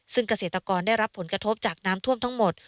ซึ่งเกษตรกรได้รับผลกระทบจากน้ำท่วมทั้งหมด